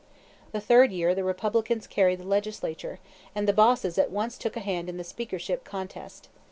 The third year the Republicans carried the Legislature, and the bosses at once took a hand in the Speakership contest.